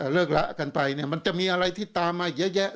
เลิกละกันไปมันจะมีอะไรที่ตามมาอีกเยอะแยะ